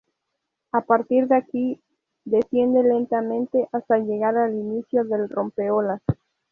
A partir de aquí, desciende lentamente hasta llegar al inicio del rompeolas.